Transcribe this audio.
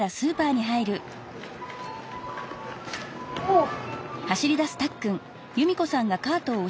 おっ！